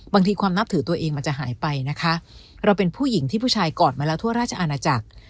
ความนับถือตัวเองมันจะหายไปนะคะเราเป็นผู้หญิงที่ผู้ชายกอดมาแล้วทั่วราชอาณาจักร